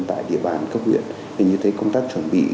tại địa bàn cấp huyện thì như thế công tác chuẩn bị